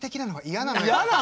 嫌なの！？